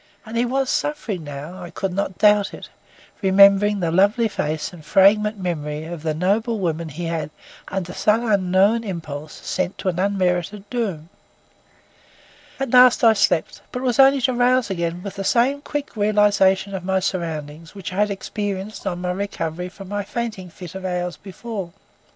And he was suffering now; I could not doubt it, remembering the lovely face and fragrant memory of the noble woman he had, under some unknown impulse, sent to an unmerited doom. At last I slept, but it was only to rouse again with the same quick realisation of my surroundings, which I had experienced on my recovery from my fainting fit of hours before.